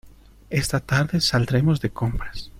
Esta tarde saldremos de compras.